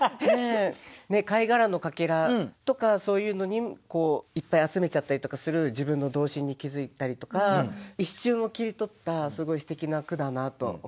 貝殻の欠片とかそういうのいっぱい集めちゃったりとかする自分の童心に気付いたりとか一瞬を切り取ったすごいすてきな句だなと思いました。